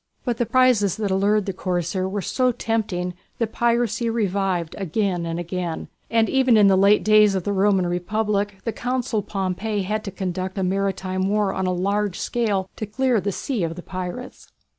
But the prizes that allured the corsair were so tempting, that piracy revived again and again, and even in the late days of the Roman Republic the Consul Pompey had to conduct a maritime war on a large scale to clear the sea of the pirates.